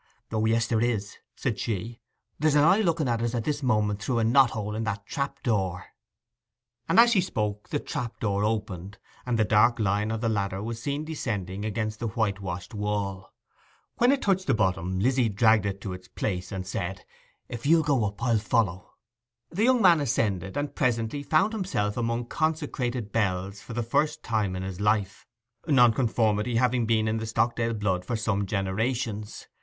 'O yes, there is,' said she. 'There's an eye looking at us at this moment through a knot hole in that trap door.' And as she spoke the trap opened, and the dark line of the ladder was seen descending against the white washed wall. When it touched the bottom Lizzy dragged it to its place, and said, 'If you'll go up, I'll follow.' The young man ascended, and presently found himself among consecrated bells for the first time in his life, nonconformity having been in the Stockdale blood for some generations.